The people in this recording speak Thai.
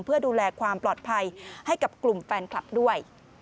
เพื่อดูแลความปลอดภัยให้กับกลุ่มแฟนคลับด้วย